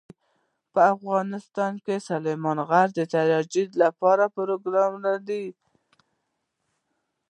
افغانستان د سلیمان غر د ترویج لپاره پروګرامونه لري.